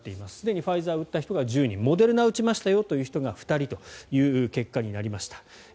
すでにファイザーを打った人が１０人モデルナを打ちましたよという人が２人という結果になりました。